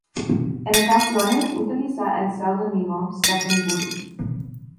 En ocasiones utiliza el seudónimo "Stephen Bury".